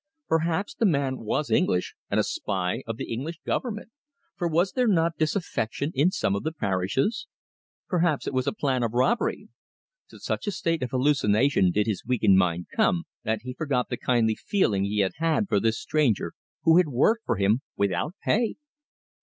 Perhaps the man was English and a spy of the English government, for was there not disaffection in some of the parishes? Perhaps it was a plan of robbery. To such a state of hallucination did his weakened mind come, that he forgot the kindly feeling he had had for this stranger who had worked for him without pay.